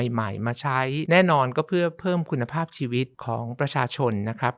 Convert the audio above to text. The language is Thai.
ใหม่มาใช้แน่นอนก็เพื่อเพิ่มคุณภาพชีวิตของประชาชนนะครับ